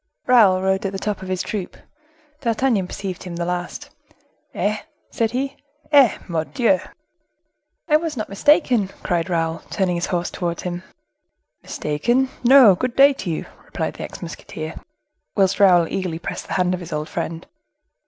Raoul rode at the side of his troop; D'Artagnan perceived him the last. "Eh!" said he, "Eh! Mordioux!" "I was not mistaken!" cried Raoul, turning his horse towards him. "Mistaken—no! Good day to you," replied the ex musketeer; whilst Raoul eagerly pressed the hand of his old friend.